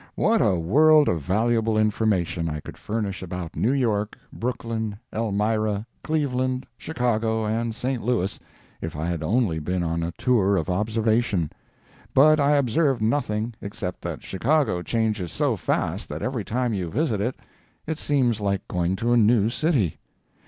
What a world of valuable information I could furnish about New York, Brooklyn, Elmira, Cleveland, Chicago and St. Louis if I had only been on a tour of observation. But I observed nothing, except that Chicago changes so fast that every time you visit it it seems like going to a new city.